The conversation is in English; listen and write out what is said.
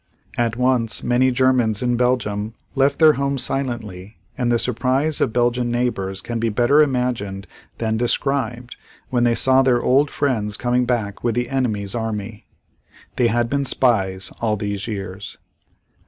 At once many Germans in Belgium left their homes silently and the surprise of Belgian neighbors can be better imagined than described when they saw their old friends coming back with the enemy's army. They had been spies all these years.